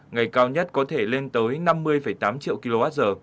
ngày cao nhất có thể lên tới năm mươi tám triệu kwh